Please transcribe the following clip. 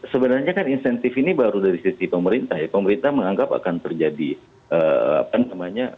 sebenarnya kan insentif ini baru dari sisi pemerintah ya